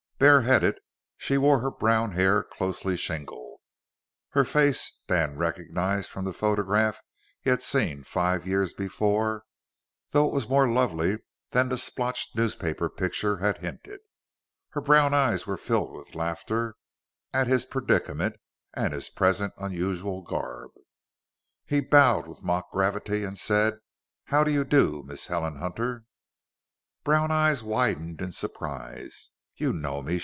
Bareheaded, she wore her brown hair closely shingled. Her face, Dan recognized from the photograph he had seen five years before, though it was more lovely than the splotched newspaper picture had hinted. Her brown eyes were filled with laughter at his predicament and his present unusual garb. He bowed with mock gravity and said, "How do you do, Miss Helen Hunter?" Brown eyes widened in surprise. "You know me?"